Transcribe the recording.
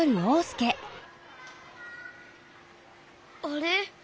あれ？